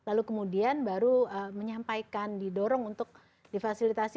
lalu kemudian baru menyampaikan didorong untuk difasilitasi